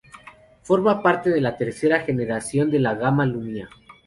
Forma parte de la tercera generación de la gama Lumia.